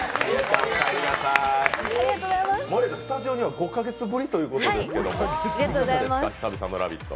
スタジオには５か月ぶりというきことですが、いかがですか、久々の「ラヴィット！」。